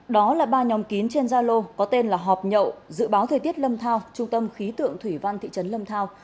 đó là ba nhóm kín trên gia lô có tên là họp nhậu dự báo thời tiết lâm thao trung tâm khí tượng thủy văn thị trấn lâm thao